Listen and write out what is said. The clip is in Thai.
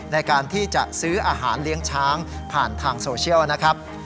ในการที่จะซื้ออาหารเลี้ยงช้างผ่านทางโซเชียลนะครับ